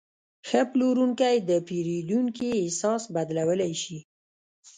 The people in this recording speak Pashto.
ښه پلورونکی د پیرودونکي احساس بدلولی شي.